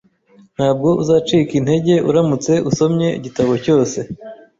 Ntabwo uzacika intege uramutse usomye igitabo cyose.